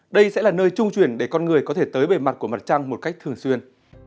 đây sẽ là nơi trung chuyển để con người có thể tới bề mặt của mặt trăng một cách thường xuyên